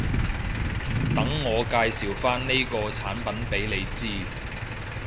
等我介紹返呢個產品畀你知